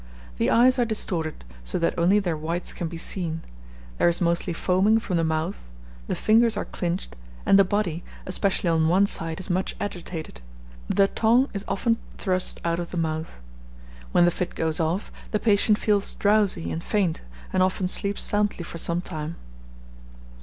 The eyes are distorted, so that only their whites can be seen; there is mostly foaming from the mouth; the fingers are clinched; and the body, especially on one side, is much agitated; the tongue is often thrust out of the mouth. When the fit goes off, the patient feels drowsy and faint, and often sleeps soundly for some time.